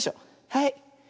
はい。